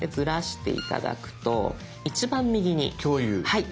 はい。